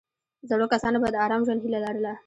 زړو کسانو به د آرام ژوند هیله لرله.